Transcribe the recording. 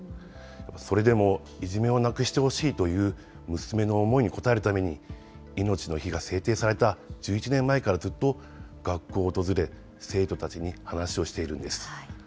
それでもいじめをなくしてほしいという娘の思いに応えるために、いのちの日が制定された１１年前からずっと学校を訪れ、生徒たちに話をしているんです。